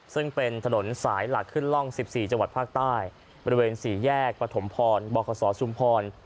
ซึ่งเป็นถนนสายหลักขึ้นร่องสิบสี่จังหวัดภาคใต้บริเวณสี่แยกปะถมพรบอกขสอชุมพร